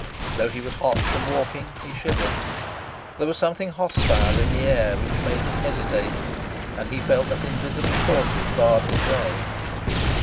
Though he was hot from walking, he shivered. There was something hostile in the air which made him hesitate, and he felt that invisible forces barred his way.